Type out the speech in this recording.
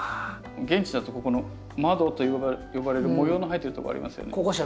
現地だとここの窓と呼ばれる模様の入ってるところありますよね。